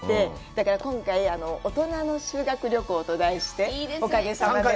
だから、今回、“大人の修学旅行”と題して、おかげさまで。